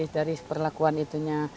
dari perlakuan itunya